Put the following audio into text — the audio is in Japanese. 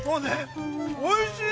◆おいしい！